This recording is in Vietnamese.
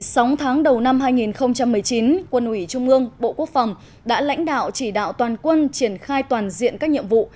sống tháng đầu năm hai nghìn một mươi chín quân ủy trung ương bộ quốc phòng đã lãnh đạo chỉ đạo toàn quân triển khai toàn diện các nhiệm vụ